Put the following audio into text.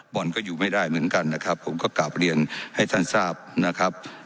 บ่อนก็อยู่ไม่ได้เหมือนกันนะครับผมก็กลับเรียนให้ท่านทราบนะครับ